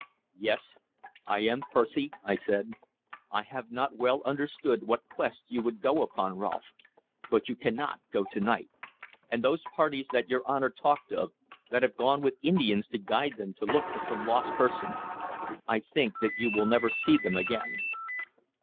"Yes, I am Percy," I said. "I have not well understood what quest you would go upon, Rolfe, but you cannot go to night. And those parties that your Honor talked of, that have gone with Indians to guide them to look for some lost person, I think that you will never see them again."